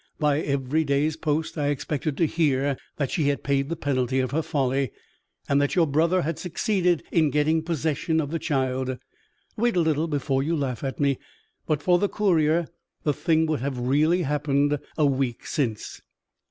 By every day's post I expected to hear that she had paid the penalty of her folly, and that your brother had succeeded in getting possession of the child. Wait a little before you laugh at me. But for the courier, the thing would have really happened a week since."